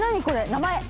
名前。